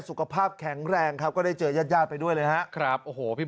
สุขภาพแข็งแรงครับก็ได้เจอญาติญาติไปด้วยเลยฮะครับโอ้โหพี่